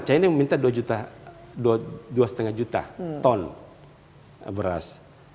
china meminta dua lima juta ton beras